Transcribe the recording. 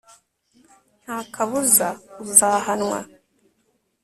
nta kabuza uzahanwa